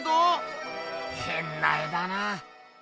へんな絵だなあ。